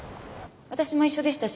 私も一緒でしたし